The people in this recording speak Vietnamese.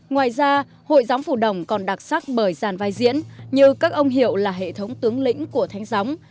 ngoài ra hội gióng phủ đồng còn đặc sắc bởi giàn vai diễn như các ông hiệu là hệ thống tướng lĩnh của thánh gióng